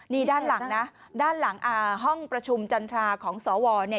นี่ด้านหลังนะด้านหลังห้องประชุมจันทราของสวเนี่ย